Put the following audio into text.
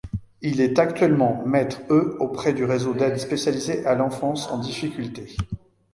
Il est actuellement maître E auprès du Réseau d'Aide Spécialisé à l'Enfance en Difficulté.